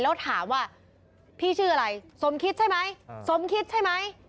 แล้วถามว่าพี่ชื่ออะไรสมคิดใช่ไหมสมคิดใช่ไหม